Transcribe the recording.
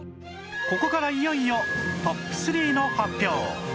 ここからいよいよトップ３の発表